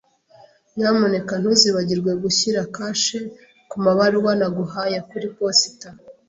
Nyamuneka ntuzibagirwe gushyira kashe kumabaruwa naguhaye kuri posita.